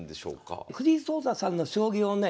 藤井聡太さんの将棋をね